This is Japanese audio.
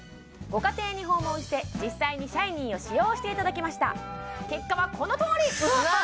ご家庭に訪問して実際にシャイニーを使用していただきました結果はこのとおり！